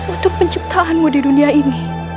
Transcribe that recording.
untuk penciptaanmu di dunia ini